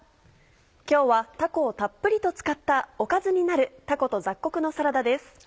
今日はたこをたっぷりと使ったおかずになる「たこと雑穀のサラダ」です。